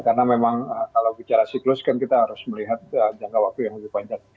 karena memang kalau bicara siklus kan kita harus melihat jangka waktu yang lebih panjang